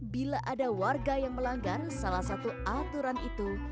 bila ada warga yang melanggar salah satu aturan itu